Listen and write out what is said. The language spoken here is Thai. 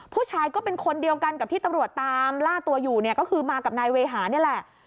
ผู้ชายก็เป็นคนเดียวกันกับที่ตำรวจตามล่าตัวอยู่เนี่ยก็คือมากับนายเวหานี่แหละ